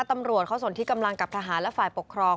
ตำรวจเขาส่วนที่กำลังกับทหารและฝ่ายปกครอง